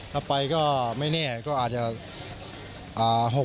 ถ้าไปก็ไม่แน่ก็อาจจะ